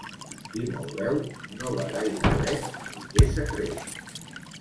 Qui molt beu, no va gaire dret ni té secret.